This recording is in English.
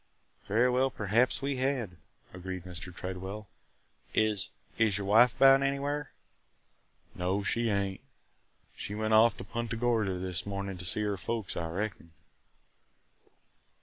"Very well, perhaps we had," agreed Mr. Tredwell. "Is – is your wife about anywhere?" "No – she ain't. She went off to Punta Gorda this mornin' to see her folks, I reckon."